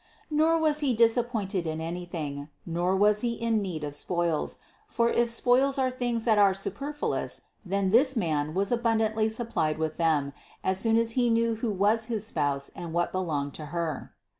Nor was he disappointed in anything, nor was he in need of spoils; for if spoils are things that are superfluous, then this man was abundant ly supplied with them, as soon as he knew who was his Spouse and what belonged to Her.